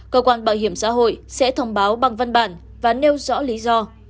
cơ quan bảo hiểm xã hội sẽ thông báo bằng văn bản và nêu rõ lý do